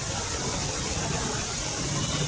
kota yang terkenal dengan